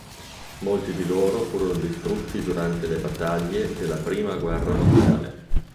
Molti di loro furono distrutti durante le battaglie della prima guerra mondiale.